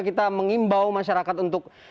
kita mengimbau masyarakat untuk